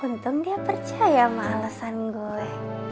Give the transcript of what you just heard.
untung dia percaya sama alasan gue